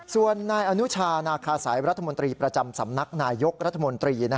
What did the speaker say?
ส่วนนายอนุชานาคาสายรัฐมนตรีประจำสำนักนายยกรัฐมนตรี